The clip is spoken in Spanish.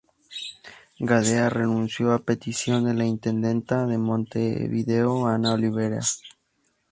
Gadea renunció a petición de la intendenta de Montevideo, Ana Olivera.